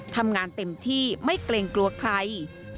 ทำงานเต็มที่ไม่เกรงกลัวใคร